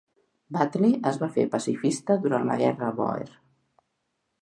Battley es va fer pacifista durant la Guerra Bòer.